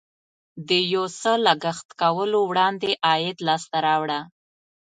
د یو څه لګښت کولو وړاندې عاید لاسته راوړه.